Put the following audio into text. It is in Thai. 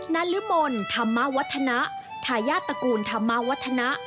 นรมนธรรมวัฒนะทายาทตระกูลธรรมวัฒนะ